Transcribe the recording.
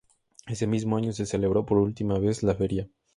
Ese mismo año se celebró por última vez la feria.